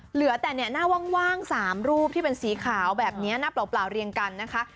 เหลือแต่เนี่ยหน้าว่าง๓รูปที่เป็นสีขาวแบบนี้หน้าเปล่าเรียงกันนะคะ